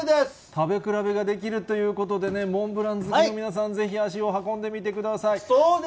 食べ比べができるということでね、モンブラン好きの皆さん、ぜひ、足を運んでみてください。